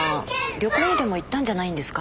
旅行にでも行ったんじゃないんですか？